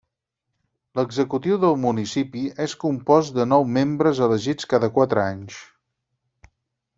L'executiu del municipi és compost de nou membres elegits cada quatre anys.